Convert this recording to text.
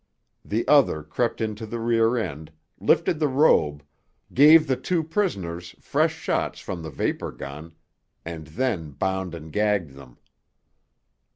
The other crept into the rear end, lifted the robe, gave the two prisoners fresh shots from the vapor gun, and then bound and gagged them.